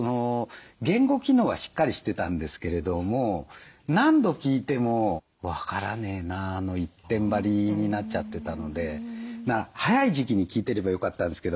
言語機能はしっかりしてたんですけれども何度聞いても「分からねえな」の一点張りになっちゃってたのでまあ早い時期に聞いてればよかったんですけど。